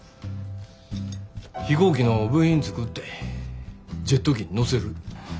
飛行機の部品作ってジェット機に載せる。